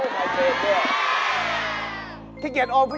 สวัสดีครับ